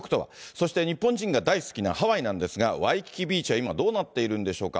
そして日本人が大好きなハワイなんですが、ワイキキビーチは今、どうなっているんでしょうか。